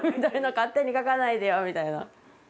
勝手に描かないでよみたいな。